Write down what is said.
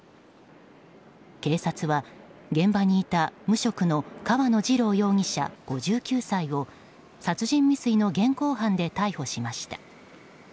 警察は、現場にいた無職の川野二郎容疑者、５９歳を殺人未遂の現行犯で逮捕しました。